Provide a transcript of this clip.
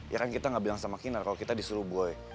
ya kan kita gak bilang sama kinar kalau kita disuruh boy